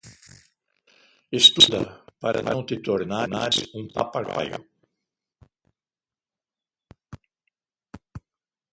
Estuda para não te tornares um papagaio.